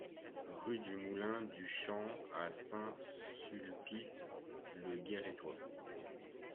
Rue du Moulin du Champ à Saint-Sulpice-le-Guérétois